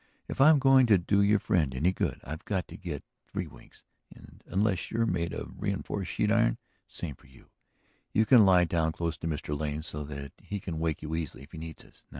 If I'm going to do your friend any good I've got to get three winks. And, unless you're made out of reinforced sheet iron, it's the same for you. You can lie down close to Mr. Lane so that he can wake you easily if he needs us.